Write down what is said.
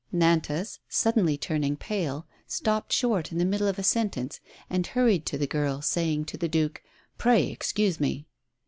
Nantas, suddenly turning pale, stopped short in the middle of a sentence and hurried to the girl, saying to the duke: "Pray excuse me."